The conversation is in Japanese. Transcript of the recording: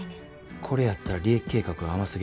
これやったら利益計画が甘すぎる。